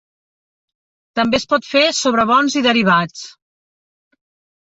També es pot fer sobre bons i derivats.